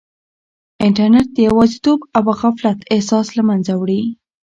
انټرنیټ د یوازیتوب او غفلت احساس له منځه وړي.